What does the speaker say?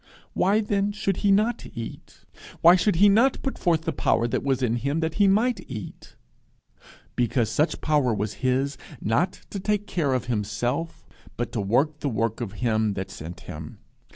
Why then should he not eat? Why should he not put forth the power that was in him that he might eat? Because such power was his, not to take care of himself, but to work the work of him that sent him.